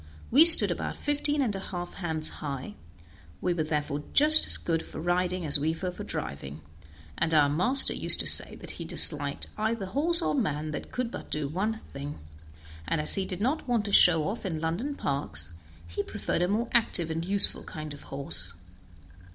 We stood about fifteen and a half hands high; we were therefore just as good for riding as we were for driving, and our master used to say that he disliked either horse or man that could do but one thing; and as he did not want to show off in London parks, he preferred a more active and useful kind of horse.